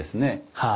はい。